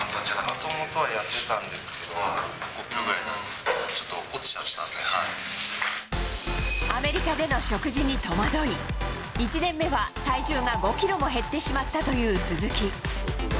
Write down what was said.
もともとは、やってたんですけど、５キロぐらい、ちょっと落ちちゃったアメリカでの食事に戸惑い、１年目は体重が５キロも減ってしまったという鈴木。